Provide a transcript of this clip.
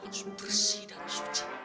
harus bersih dan suci